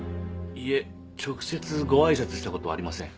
いえ直接ご挨拶した事はありません。